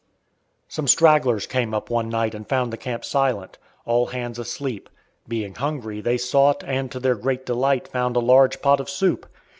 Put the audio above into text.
Some stragglers came up one night and found the camp silent. All hands asleep. Being hungry they sought and to their great delight found a large pot of soup.